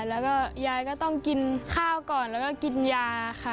แล้วก็ยายก็ต้องกินข้าวก่อนแล้วก็กินยาค่ะ